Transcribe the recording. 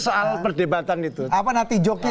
soal perdebatan itu apa nanti joke nya